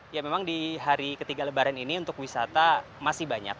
ya memang di hari ketiga lebaran ini untuk wisata masih banyak